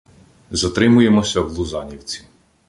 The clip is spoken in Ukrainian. Затримуємося в Лузанівці.